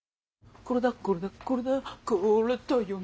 これだよこれだよこれだよこれだよね。